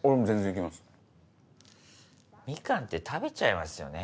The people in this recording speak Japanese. ミカンって食べちゃいますよね。